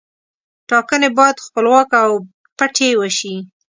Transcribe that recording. ټاکنې باید خپلواکه او پټې وشي.